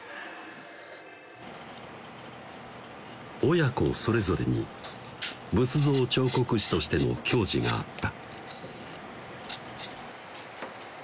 親子それぞれに仏像彫刻師としての矜持があった